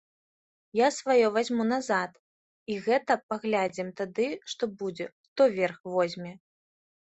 Я сваё вазьму назад, і гэта паглядзім тады, што будзе, хто верх возьме.